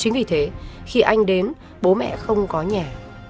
chính vì thế khi anh đến bố mẹ không có nhà